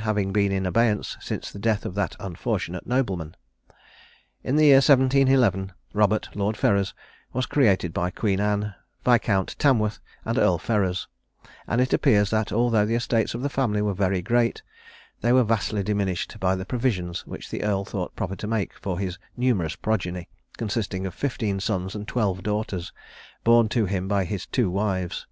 having been in abeyance since the death of that unfortunate nobleman. In the year 1711, Robert, Lord Ferrers, was created by Queen Anne, Viscount Tamworth and Earl Ferrers; and it appears that although the estates of the family were very great, they were vastly diminished by the provisions which the Earl thought proper to make for his numerous progeny, consisting of fifteen sons and twelve daughters, born to him by his two wives.